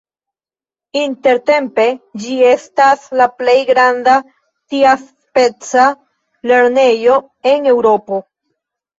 Intertempe ĝi estas la plej granda tiaspeca lernejo en Eŭropo.